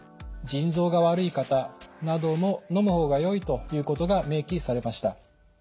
腎臓が悪い方などものむ方がよいということが明記されました。